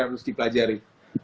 yang harus dipelajari